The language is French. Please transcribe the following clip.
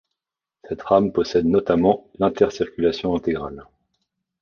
Cette rame possède notamment l'intercirculation intégrale.